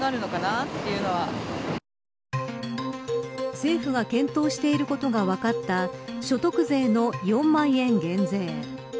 政府が検討していることが分かった所得税の４万円減税。